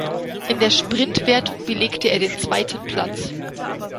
In der Sprintwertung belegte er den zweiten Platz.